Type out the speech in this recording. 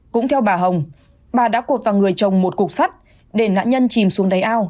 cũng theo bà hồng bà đã cột vào người trồng một cục sắt để nạn nhân chìm xuống đáy ao